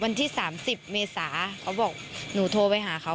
วันที่๓๐เมษาเขาบอกหนูโทรไปหาเขา